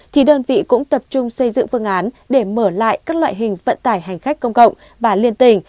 thì đơn vị cũng tập trung xây dựng phương án để mở lại các loại hình vận tải hành khách công cộng và liên tỉnh